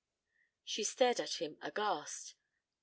She stared at him aghast.